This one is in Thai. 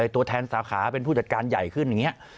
ตัวแทนสาขาเป็นผู้จัดการใหญ่ขึ้นอย่างนี้